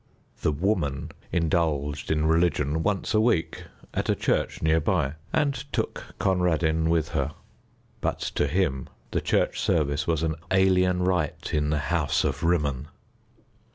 The Woman indulged in religion once a week at a church near by, and took Conradin with her, but to him the church service was an alien rite in the House of Rimmon.